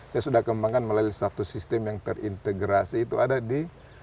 saya sudah kembangkan melalui satu sistem yang terintegrasi itu ada di